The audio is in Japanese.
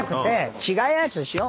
違うやつにしよう。